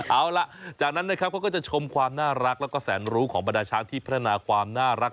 เอาล่ะจากนั้นนะครับเขาก็จะชมความน่ารักแล้วก็แสนรู้ของบรรดาช้างที่พัฒนาความน่ารัก